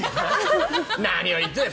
何を言ってるんだ！